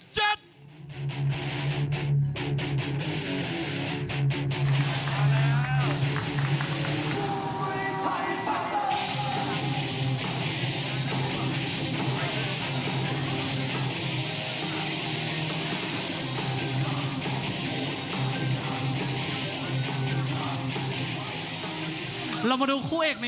เชียบคมอาลักษณะ๕๗